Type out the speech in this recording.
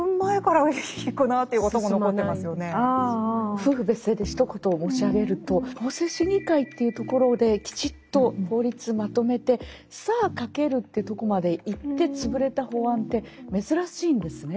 夫婦別姓でひと言申し上げると法制審議会っていうところできちっと法律まとめてさあかけるというとこまでいって潰れた法案って珍しいんですね。